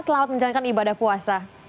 selamat menjalankan ibadah puasa